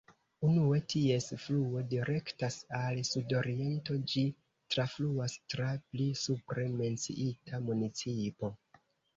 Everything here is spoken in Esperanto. Unue ties fluo direktas al sudoriento, ĝi trafluas tra pli supre menciita municipo.